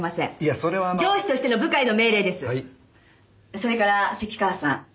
それから関川さん。